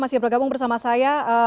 masih bergabung bersama saya